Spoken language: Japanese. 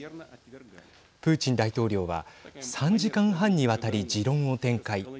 プーチン大統領は３時間半にわたり持論を展開。